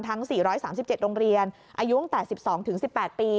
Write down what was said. ทั้ง๔๓๗โรงเรียนอายุตั้งแต่๑๒๑๘ปี